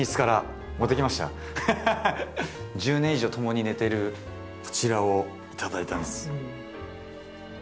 １０年以上ともに寝てるこちらを頂いたんです。